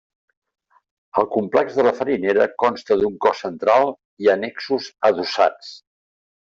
El complex de la farinera consta d'un cos central i annexos adossats.